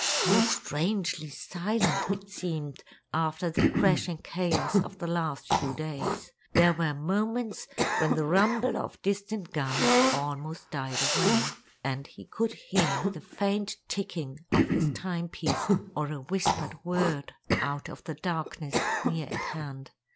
How strangely silent it seemed after the crashing chaos of the last few days! There were moments when the rumble of distant guns almost died away, and he could hear the faint ticking of his timepiece or a whispered word out of the darkness near at hand.